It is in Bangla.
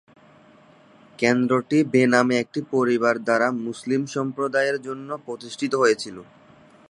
কেন্দ্রটি বেনামে একটি পরিবার দ্বারা মুসলিম সম্প্রদায়ের জন্য প্রতিষ্ঠিত হয়েছিল।